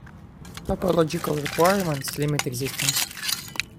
Topological requirements limit existence.